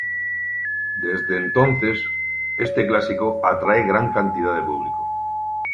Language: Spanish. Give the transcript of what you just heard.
Desde entonces, este clásico atrae gran cantidad de público.